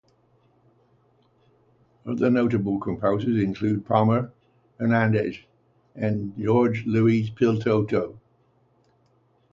Other notable composers include Palmer Hernandez and Jorge Luis Piloto.